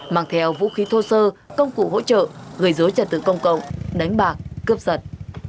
mang theo vũ khí thô sơ công cụ hỗ trợ gây dối trật tự công cộng đánh bạc cướp sật